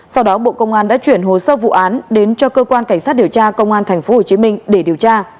sau đó bộ công an đã chuyển hồ sơ vụ án đến cho cơ quan cảnh sát điều tra công an tp hcm để điều tra